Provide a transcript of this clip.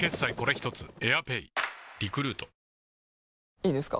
いいですか？